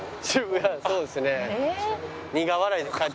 そうですね。